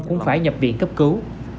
cũng phải nhập viện cấp cứu